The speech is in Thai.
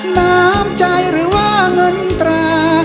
น้ำใจหรือว่าเงินตรา